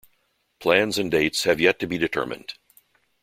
Plans and dates have yet to be determined.